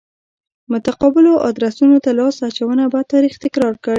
متقابلو ادرسونو ته لاس اچونه بد تاریخ تکرار کړ.